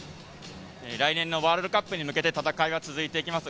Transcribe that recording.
来年のワールドカップに向けて、戦いは続いていきます。